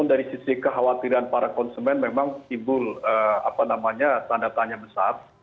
dari sisi kekhawatiran para konsumen memang timbul tanda tanya besar